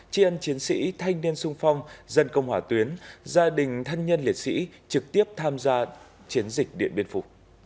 tri ân chiến sĩ thanh niên sung phong dân công hỏa tuyến gia đình thân nhân liệt sĩ trực tiếp tham gia chiến dịch điện biên phủ